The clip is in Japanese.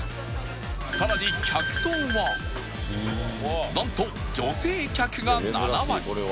さらに客層はなんと女性客が７割